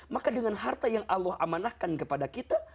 maka dengan harta yang allah amanahkan kepada kita